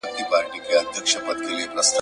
دوی چي ول بالا به باغ شین وي باره پاڼې رژېدلي وې